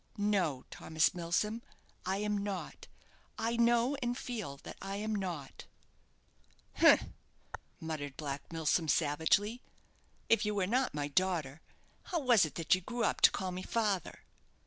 "No, Thomas Milsom, I am not I know and feel that I am not" "Humph!" muttered Black Milsom, savagely; "if you were not my daughter, how was it that you grew up to call me father?"